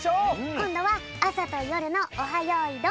こんどはあさとよるの「オハ！よいどん」であおうね！